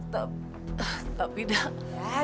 tapi tapi dah